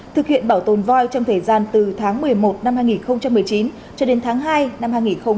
thực hiện bảo tồn voi trong thời gian từ tháng một mươi một năm hai nghìn một mươi chín cho đến tháng hai năm hai nghìn hai mươi